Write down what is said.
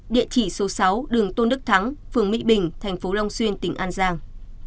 địa chỉ số sáu đường tôn đức thắng phường mỹ bình tp long xuyên tỉnh an giang